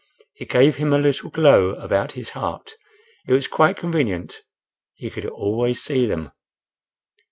It gave him a little glow about his heart;—it was quite convenient: he could always see them.